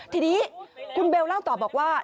ทีนี้คุณเบลเล่าต่อบอกว่า